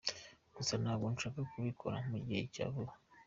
Gusa ntabwo nshaka kubikora mu gihe cya vuba.